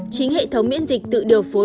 chính hệ thống miễn dịch tự điều phối